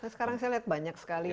nah sekarang saya lihat banyak sekali